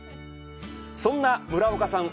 そんな村岡さん